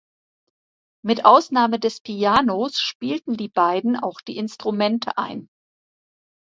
Mit Ausnahme des Pianos spielten die beiden auch die Instrumente ein.